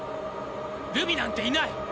ルミなんていない！